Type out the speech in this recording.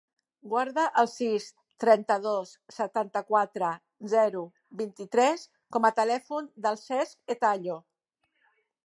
Guarda el sis, trenta-dos, setanta-quatre, zero, vint-i-tres com a telèfon del Cesc Etayo.